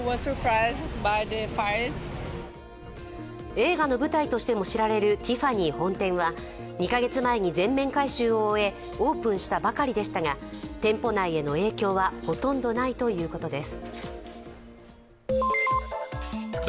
映画の舞台としても知られるティファニー本店は、２か月前に全面改修を終えオープンしたばかりでしたが店舗内への影響はほとんどないということです。